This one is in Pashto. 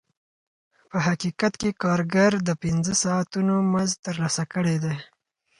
په حقیقت کې کارګر د پنځه ساعتونو مزد ترلاسه کړی دی